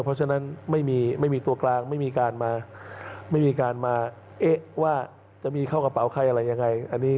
เพราะฉะนั้นไม่มีตัวกลางไม่มีการมาไม่มีการมาเอ๊ะว่าจะมีเข้ากระเป๋าใครอะไรยังไง